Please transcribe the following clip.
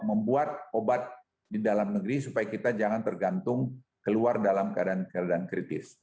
membuat obat di dalam negeri supaya kita jangan tergantung keluar dalam keadaan keadaan kritis